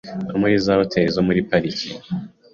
no muri za Hoteli zo muri Pariki